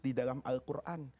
di dalam al quran